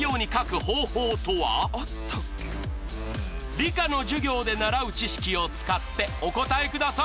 理科の授業で習う知識を使ってお答えください。